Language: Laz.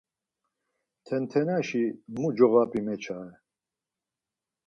Tentenaşi mu coğap̌i meçare?